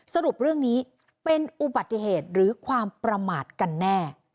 สรุปเรื่องนี้เป็นอุบัติเหตุหรือความประมาทกันแน่